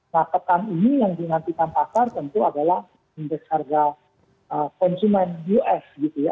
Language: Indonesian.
nah pekan ini yang dinantikan pasar tentu adalah indeks harga konsumen us gitu ya